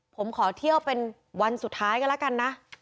ผมขอเที่ยวเป็นวันสุดท้ายก็แล้วกันนะ